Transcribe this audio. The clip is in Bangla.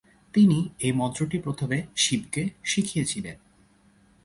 তিনি এই মন্ত্রটি প্রথমে শিবকে শিখিয়েছিলেন।